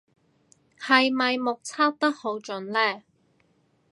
係咪目測得好準呢